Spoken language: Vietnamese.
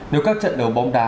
nếu các trận đấu bóng đá